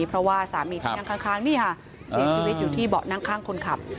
เพราะว่าสามีที่นั่งข้างนี่ค่ะเสียชีวิตอยู่ที่เบาะนั่งข้างคนขับ